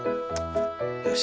よし。